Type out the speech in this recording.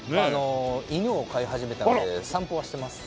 犬を飼い始めたので散歩はしてます。